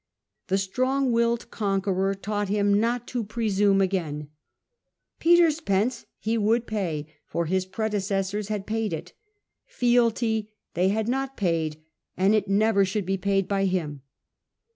The strong willed conqueror taught him not to presume again: * Peter's pence he would pay, for his predecessors had paid it ; fealty they had not paid, and it never should be paid by him.'